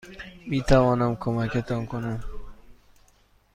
میتوانم کمکتان کنم؟